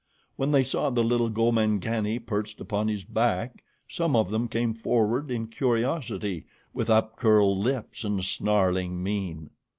When they saw the little Gomangani perched upon his back some of them came forward in curiosity with upcurled lips and snarling mien.